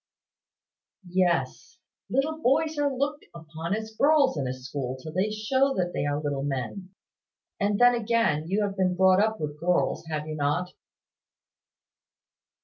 "Yes. Little boys are looked upon as girls in a school till they show that they are little men. And then again, you have been brought up with girls, have not you?"